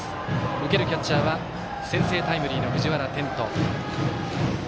受けるキャッチャーは先制タイムリーの藤原天斗。